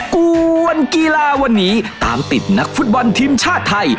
วนกีฬาวันนี้ตามติดนักฟุตบอลทีมชาติไทย